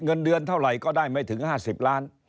เงินเดือนเท่าไหร่ก็ได้ไม่ถึง๕๐ล้าน